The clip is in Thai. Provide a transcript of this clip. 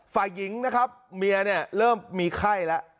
ฝ่ายหญิงนะครับเมียเนี่ยเริ่มมีไข้แล้ว